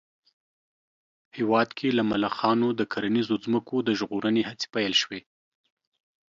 هېواد کې له ملخانو د کرنیزو ځمکو د ژغورنې هڅې پيل شوې